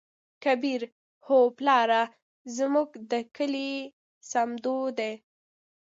کبير : هو پلاره زموږ د کلي صمدو دى.